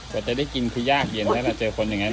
จะได้กินคือยากเย็นถ้าเราเจอคนอย่างนั้น